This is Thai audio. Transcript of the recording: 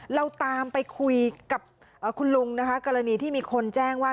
เราตามไปคุยกับคุณลุงนะคะกรณีที่มีคนแจ้งว่า